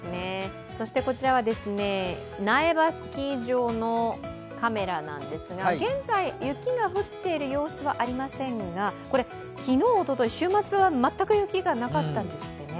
こちらは苗場スキー場のカメラなんですが現在、雪が降っている様子はありませんが、これ、昨日、おととい、週末は全く雪がなかったんですってね。